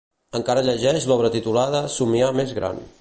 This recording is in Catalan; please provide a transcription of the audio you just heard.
Encara llegeix l'obra titulada "Somiar més gran"